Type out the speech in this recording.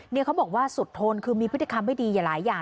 เขาบอกว่าสุดทนคือมีพฤติกรรมไม่ดีหลายอย่าง